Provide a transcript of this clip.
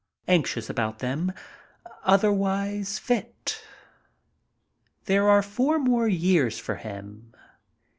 Anxious about them, otherwise fit. There are four more years for him.